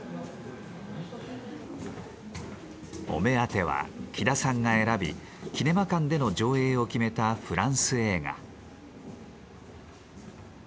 お目当ては喜田さんが選びキネマ館での上映を決めたフランス映画。